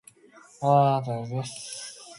こんばんはあなたが好きです